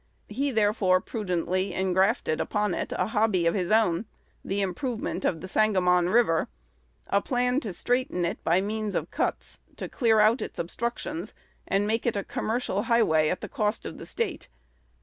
He therefore prudently ingrafted upon it a hobby of his own: "The Improvement of the Sangamon River," a plan to straighten it by means of cuts, to clear out its obstructions, and make it a commercial highway at the cost of the State.